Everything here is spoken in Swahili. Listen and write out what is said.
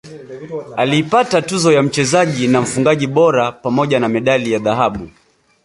aliipata tuzo ya mchezaji na mfungaji bora pamoja na medali ya dhahabu